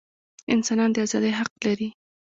انسانان د ازادۍ حق لري.